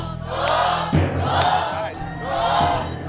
ถูก